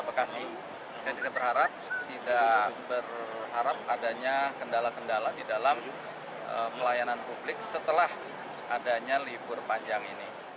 bekasi dan kita berharap tidak berharap adanya kendala kendala di dalam pelayanan publik setelah adanya libur panjang ini